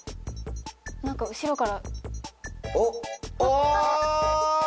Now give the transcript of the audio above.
何か後ろから。